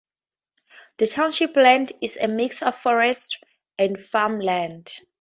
The township's land is a mix of forest and farmland.